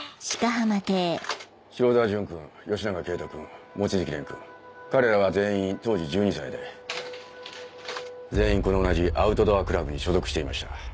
塩澤潤君吉長圭人君望月蓮君彼らは全員当時１２歳で全員この同じアウトドアクラブに所属していました。